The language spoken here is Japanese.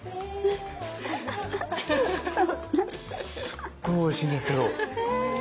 すっごいおいしいんですけど。